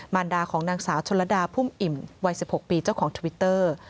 รดาของนางสาวชนลดาพุ่มอิ่มวัย๑๖ปีเจ้าของทวิตเตอร์